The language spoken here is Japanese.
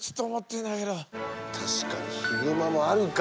確かにヒグマもあるか。